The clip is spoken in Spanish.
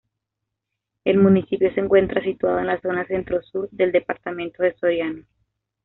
El municipio se encuentra situado en la zona centro-sur del departamento de Soriano.